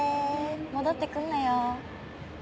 戻ってくんなよ。